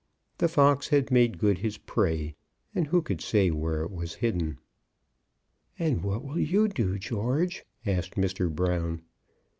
The fox had made good his prey, and who could say where it was hidden? "And what will you do, George?" asked Mr. Brown.